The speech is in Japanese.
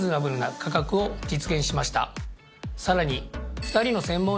さらに。